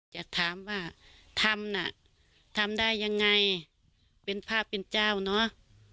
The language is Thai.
อยากถามว่าทำน่ะทำได้ยังไงเป็นพระเป็นเจ้าเนอะ